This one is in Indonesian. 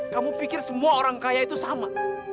kamu pikir semua orang kaya itu sama